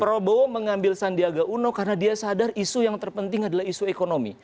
prabowo mengambil sandiaga uno karena dia sadar isu yang terpenting adalah isu ekonomi